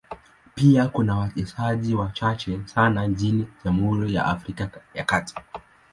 Pia kuna wasemaji wachache sana nchini Jamhuri ya Afrika ya Kati.